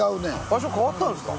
場所変わったんですか？